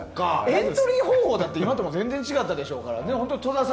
エントリー方法だって今と全然違ったでしょうしね。